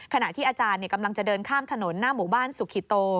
ขณะที่อาจารย์กำลังจะเดินข้ามถนนหน้าหมู่บ้านสุขิโต